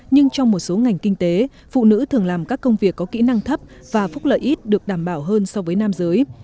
nhưng trong một số ngành kinh tế phụ nữ thường làm các công việc có kỹ năng thấp và phúc lợi ít được đảm bảo hơn so với nam giới